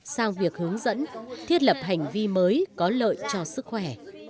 sang việc hướng dẫn thiết lập hành vi mới có lợi cho sức khỏe